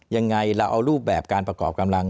ยังไงเราเอารูปแบบการประกอบกำลัง